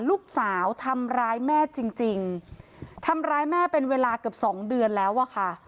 ลูกสาวทำร้ายแม่จริงจริงทำร้ายแม่เป็นเวลาเกือบสองเดือนแล้วอะค่ะ